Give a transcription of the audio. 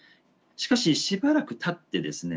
しかししばらくたってですね